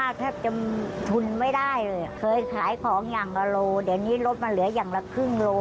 ก็คงครบมาก